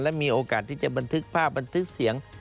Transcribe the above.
และมีโอกาสที่จะบันทึกภาพบันทึกเสียง